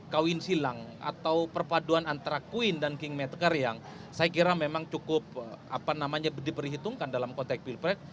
kawin silang atau perpaduan antara queen dan kingmaker yang saya kira memang cukup diperhitungkan dalam konteks pilpres